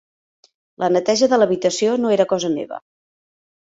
La neteja de l'habitació no era cosa meva.